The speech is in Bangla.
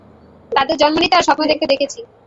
তাদের জন্ম নিতে আর স্বপ্ন দেখতে দেখেছি।